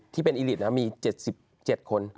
ที่เป็นอิลิตมี๗๗คน